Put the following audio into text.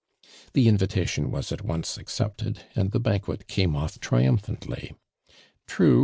The invitation was at once accepted and tlte banquet came off triumphantly. True.